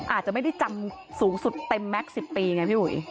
อาจจะไม่ได้จำสูงสุดเต็มแม็กซ์๑๐ปีไงพี่อุ๋ย